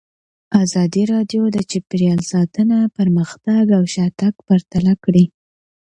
ازادي راډیو د چاپیریال ساتنه پرمختګ او شاتګ پرتله کړی.